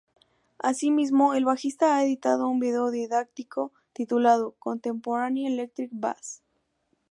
Asimismo, el bajista ha editado un vídeo didáctico titulado "Contemporary Electric Bass".